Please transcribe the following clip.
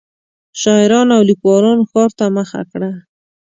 شاعرانو او لیکوالانو ښار ته مخه کړه.